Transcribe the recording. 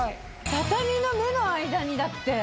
畳の目の間にだって。